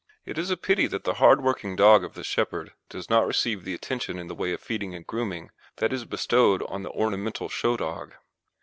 It is a pity that the hard working dog of the shepherd does not receive the attention in the way of feeding and grooming that is bestowed on the ornamental show dog.